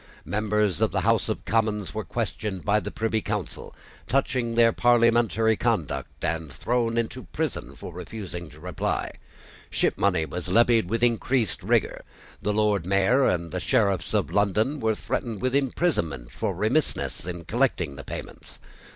Members of the House of Commons were questioned by the Privy Council touching their parliamentary conduct, and thrown into prison for refusing to reply. Shipmoney was levied with increased rigour. The Lord Mayor and the Sheriffs of London were threatened with imprisonment for remissness in collecting the payments.